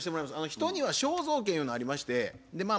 人には肖像権ゆうのありましてまあ